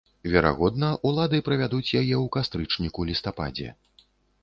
Верагодна, улады правядуць яе ў кастрычніку-лістападзе.